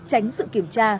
tránh sự kiểm tra